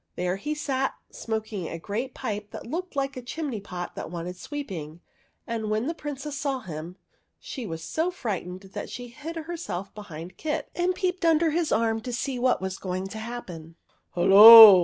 There he sat, smoking a great pipe that looked like a chim ney pot that wanted sweeping ; and when the Princess saw him, she was so frightened that she hid herself behind Kit and peeped under his arm to see what was going to happen. "Hullo!"